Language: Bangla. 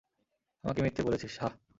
আমাকে মিথ্যে বলেছিস, হাহ্!